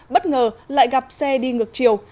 bất ngờ lại gặp xe đi ngược chiều